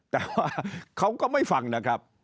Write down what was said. แต่ว่าเขาก็ไม่ฟังนะครับ